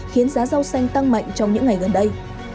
khiến giá rau xanh tăng mạnh trong những ngày gần đây